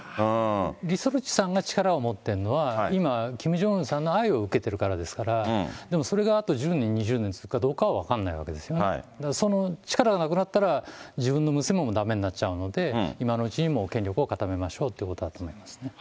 リ・ソルジュさんが力を持っているものは、今、キム・ジョンウンさんの愛を受けてるからですから、でもそれがあと１０年、２０年続くかどうかは分からないですよね、その力がなくなったら、自分の娘もだめになっちゃうので、今のうちに地位も権力も固めましょうということですね。